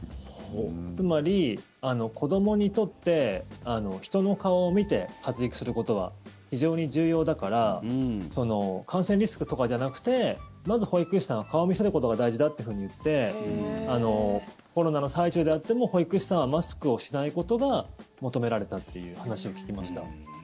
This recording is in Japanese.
つまり、子どもにとって人の顔を見て発育することは非常に重要だから感染リスクとかじゃなくてまず、保育士さんは顔を見せることが大事だっていうふうにいってコロナの最中であっても保育士さんはマスクをしないことが求められたっていう話を聞きました。